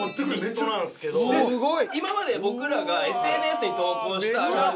今まで僕らがＳＮＳに投稿したあるある